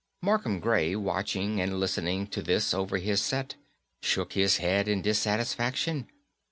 Markham Gray, watching and listening to this over his set, shook his head in dissatisfaction.